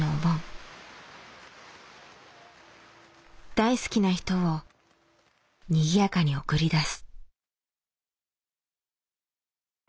大好きな人をにぎやかに送り出す。